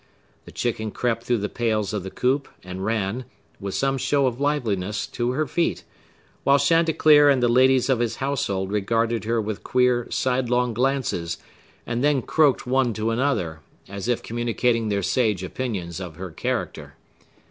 The chicken crept through the pales of the coop and ran, with some show of liveliness, to her feet; while Chanticleer and the ladies of his household regarded her with queer, sidelong glances, and then croaked one to another, as if communicating their sage opinions of her character.